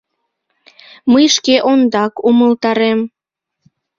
— Мый шке ондак умылтарем!